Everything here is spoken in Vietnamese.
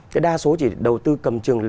cái đa số chỉ đầu tư cầm chừng